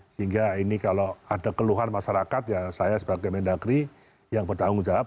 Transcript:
sehingga ini kalau ada keluhan masyarakat ya saya sebagai mendagri yang bertanggung jawab